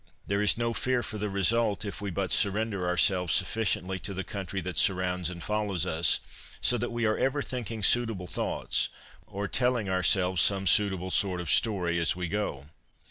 There is no fear for the result, if we but surrender ourselves sufficiently to the country that surrounds and follows us, so that we are ever thinking suitable thoughts or telling ourselves some suitable sort of story as we go.